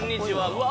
うわ